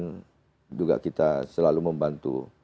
kita juga selalu membantu